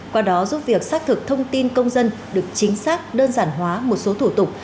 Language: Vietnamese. qua đó giúp việc xác thực thông tin công dân được chính xác đơn giản hóa một số thủ tục